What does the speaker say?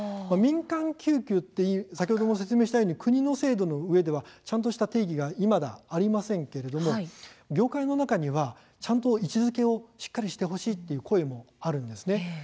民間救急とは先ほどご説明したように国の制度のうえではちゃんとした定義がまだありませんけれども業界の中では、ちゃんと位置づけをしっかりしてほしいという声もあるんですね。